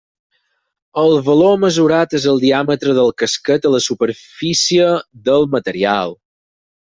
El valor mesurat és el diàmetre del casquet a la superfície del material.